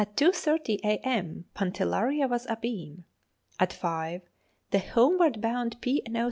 30 a.m. Pantellaria was abeam. At five the homeward bound P. and O.